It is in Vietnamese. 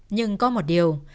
nhưng có một điều